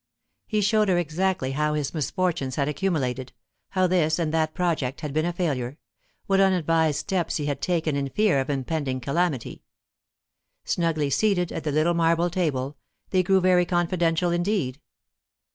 He showed her exactly how his misfortunes had accumulated, how this and that project had been a failure, what unadvised steps he had taken in fear of impending calamity Snugly seated at the little marble table, they grew very confidential indeed.